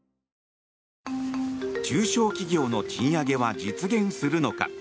中小企業の賃上げは実現するのか。